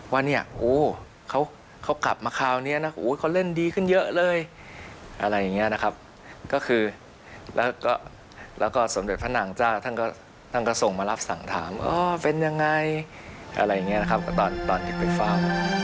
ว่าเนี่ยโอ้เขากลับมาคราวนี้นะเขาเล่นดีขึ้นเยอะเลยอะไรอย่างนี้นะครับก็คือแล้วก็สมเด็จพระนางเจ้าท่านก็ท่านก็ส่งมารับสั่งถามเป็นยังไงอะไรอย่างนี้นะครับก็ตอนที่ไปเฝ้า